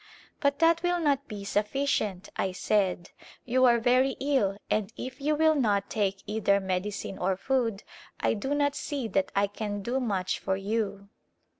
" But that will not be sufficient," I said. " You are very ill and if you will not take either medicine or food, I do not see that I can do much for you."